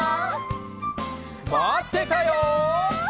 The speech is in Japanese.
まってたよ！